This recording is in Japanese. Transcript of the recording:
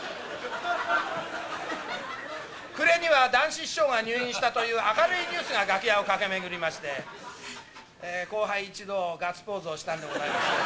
暮れには談志師匠が入院したという明るいニュースが楽屋を駆け巡りまして、後輩一同、ガッツポーズをしたんでございます。